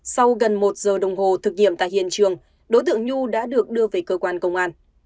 sau gần một giờ đồng hồ thực nghiệm tại hiện trường đối tượng nhu đã được đưa về cơ quan công an